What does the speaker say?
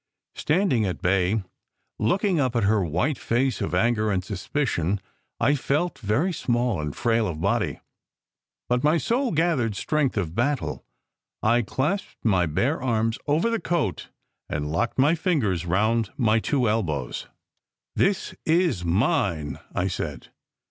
Standing at bay, looking up at her white face of anger and suspicion, I felt very small and frail of body; but my soul gathered strength of battle. I clasped my bare arms over the coat and locked my fingers round my two elbows. "This is mine," I said.